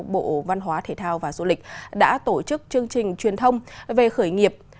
bộ văn hóa thể thao và du lịch đã tổ chức chương trình truyền thông về khởi nghiệp